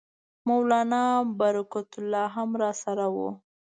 مولنا برکت الله هم راسره وو.